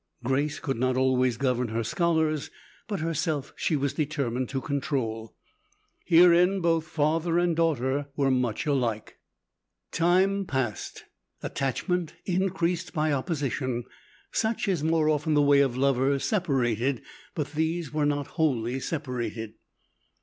Grace could not always govern her scholars, but herself she was determined to control. Herein both father and daughter were much alike. Time passed; attachment increased by opposition. Such is more often the way of lovers separated; but these were not wholly separated.